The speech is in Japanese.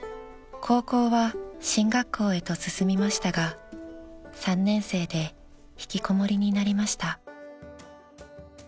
［高校は進学校へと進みましたが３年生で引きこもりになりました］